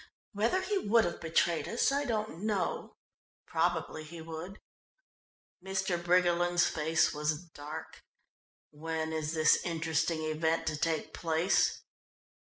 Whether he would have betrayed us I don't know; probably he would." Mr. Briggerland's face was dark. "When is this interesting event to take place?"